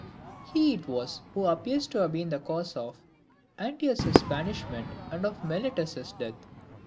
He it was who appears to have been the cause of Anytus's banishment, and of Meletus's death.